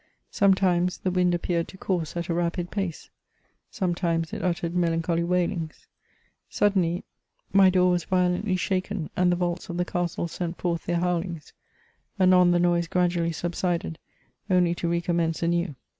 Sometimes the wind appeared to course at a rapid pace ; sometimes it uttered melancholy wailings ; suddenly my door was yiolently shaken, and the vaults of the castle sent forth their howlings ; anon the noise gradually subsided, only to re commence anew.